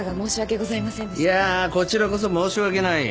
いやあこちらこそ申し訳ない。